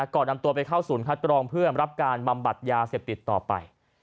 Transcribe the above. ก่อนนำตัวไปเข้าศูนย์คัดกรองเพื่อรับการบำบัดยาเสพติดต่อไป